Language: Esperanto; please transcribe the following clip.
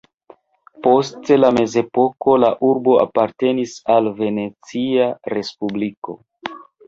Post la mezepoko la urbo apartenis al Venecia respubliko.